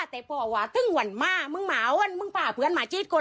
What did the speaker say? แต่พอว่าถึงวันถึงมามึงมาเอาอันนึงพาเพื่อนคืนมาฉีดคน